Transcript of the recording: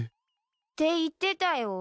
って言ってたよ。